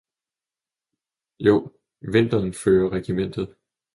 Jo, Vinteren fører regimentet.